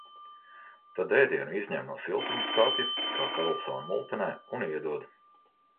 Tad ēdienu izņem no siltumskapja, kā Karlsona multenē, un iedod.